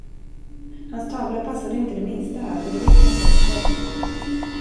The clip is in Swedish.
Hans tavla passade inte det minsta här, och det visste han säkert själv.